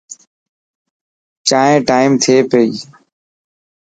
چائين ٽائم تي پي.